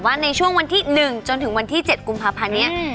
ในช่วงวันที่๑จนถึงวันที่๗กุมภาพันธ์นี้